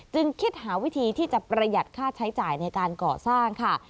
จึงคิดหาวิธีที่จะประหยัดค่าใช้จ่ายในการก่อสร้างค่ะ